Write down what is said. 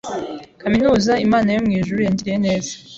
kaminuza Imana yo mu ijuru yangiriye neza